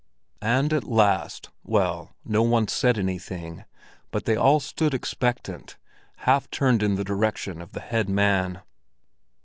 And at last—well, no one said anything, but they all stood expectant, half turned in the direction of the head man.